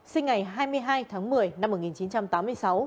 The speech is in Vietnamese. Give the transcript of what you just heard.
sinh ngày hai mươi hai tháng một mươi năm một nghìn chín trăm chín mươi